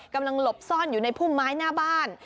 หลบซ่อนอยู่ในพุ่มไม้หน้าบ้าน